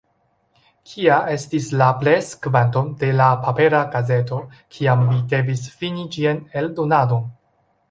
Kia estis la preskvanto de la papera gazeto, kiam vi devis fini ĝian eldonadon?